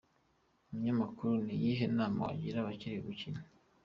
Umunyamakuru: Ni iyihe nama wagira abakiri gukina?.